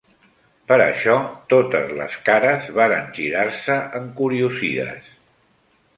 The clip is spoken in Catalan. Per això totes les cares varen girar-se encuriosides.